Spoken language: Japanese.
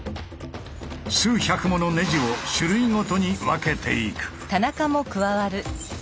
数百ものネジを種類ごとに分けていく。